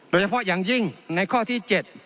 โดยเฉพาะอย่างยิ่งในข้อที่๗